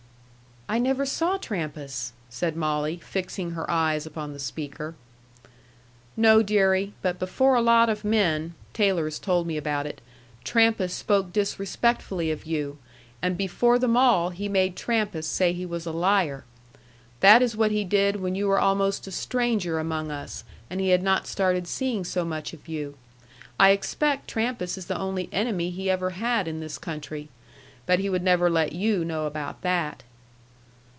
"I never saw Trampas," said Molly, fixing her eyes upon the speaker. "No, deary. But before a lot of men Taylor has told me about it Trampas spoke disrespectfully of you, and before them all he made Trampas say he was a liar. That is what he did when you were almost a stranger among us, and he had not started seeing so much of you. I expect Trampas is the only enemy he ever had in this country. But he would never let you know about that."